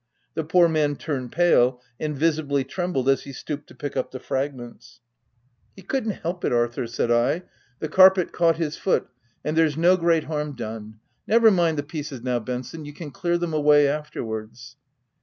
The poor man turned pale, and visibly trembled as he stooped to pick up the fragments. 182 THE TENANT " He couldn't help it, Arthur," said I; "the carpet caught his foot— and there's no great harm done. Never mind the pieces now, Ben son, you can clear them away afterwards."